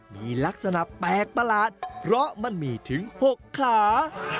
มีลักษณะแปลกประหลาดเพราะมันมีถึง๖ขา